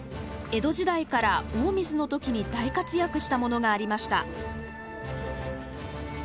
江戸時代から大水の時に大活躍したものがありました。